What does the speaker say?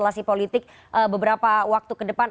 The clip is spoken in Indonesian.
komunikasi politik beberapa waktu ke depan